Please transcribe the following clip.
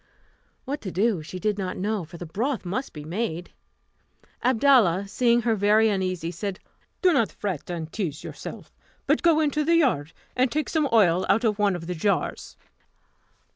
What to do she did not know, for the broth must be made. Abdalla, seeing her very uneasy, said, "Do not fret and tease yourself, but go into the yard, and take some oil out of one of the jars."